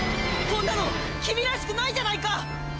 こんなの君らしくないじゃないか！